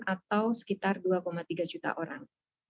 atau sekitar dua tiga juta orang